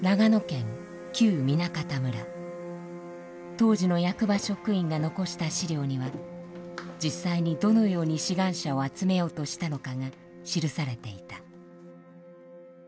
当時の役場職員が残した資料には実際にどのように志願者を集めようとしたのかが記されていた。